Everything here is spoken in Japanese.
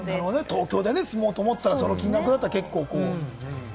東京で住もうと思ったら、この金額だったら。